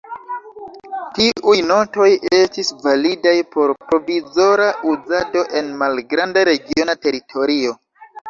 Tiuj notoj estis validaj por provizora uzado en malgranda regiona teritorio.